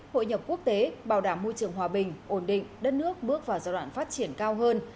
hội nhập quốc tế bảo đảm môi trường hòa bình ổn định đất nước bước vào giai đoạn phát triển cao hơn